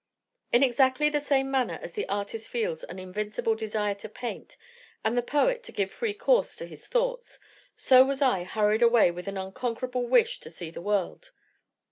In exactly the same manner as the artist feels an invincible desire to paint, and the poet to give free course to his thoughts, so was I hurried away with an unconquerable wish to see the world.